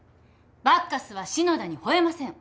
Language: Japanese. バッカスは篠田に吠えません。